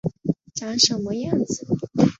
长什么样子